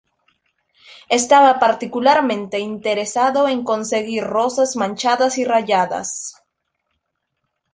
Estaba particularmente interesado en conseguir rosas manchadas y rayadas.